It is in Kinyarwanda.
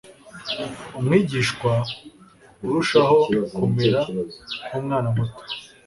Umwigishwa urushaho kumera nk'umwana muto,